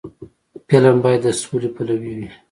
فلم باید د سولې پلوي وي